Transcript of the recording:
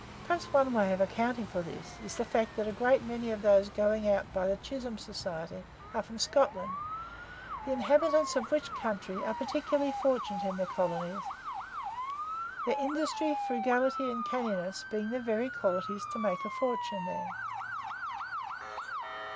Perhaps one way of accounting for this, is the fact that a great many of those going out by the Chisholm Society are from Scotland, the inhabitants of which country are peculiarly fortunate in the colonies, their industry, frugality, and "canniness" being the very qualities to make a fortune there.